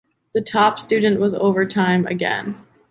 The top student was overtime again.